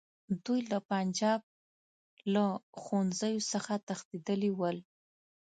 دوی له پنجاب له پوهنځیو څخه تښتېدلي ول.